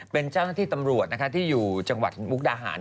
เป็นเจ้าหน้าที่ตำรวจที่อยู่จังหวัดมุกดาหาร